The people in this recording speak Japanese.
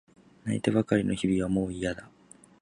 泣いてばかりの日々はもういやだ。